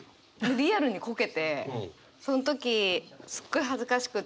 リアルにこけてその時すっごい恥ずかしくって。